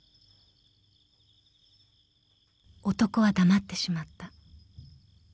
［男は黙ってしまった］